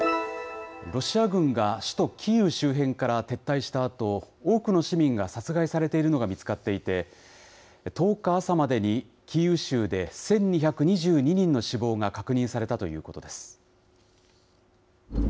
ロシア軍が首都キーウ周辺から撤退したあと、多くの市民が殺害されているのが見つかっていて、１０日朝までにキーウ州で１２２２人の死亡が確認されたということです。